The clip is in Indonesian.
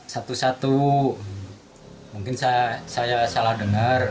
satu satu mungkin saya salah dengar